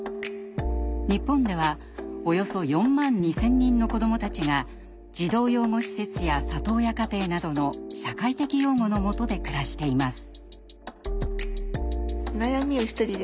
日本ではおよそ４万２千人の子どもたちが児童養護施設や里親家庭などの社会的養護のもとで暮らしています。